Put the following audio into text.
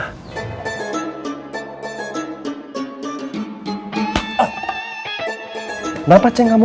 kenapa ceng kamu